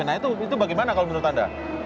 nah itu bagaimana kalau menurut anda